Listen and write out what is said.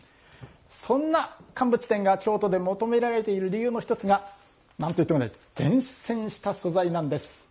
そんな乾物店が京都で求められている理由の１つが何といっても厳選した素材なんです。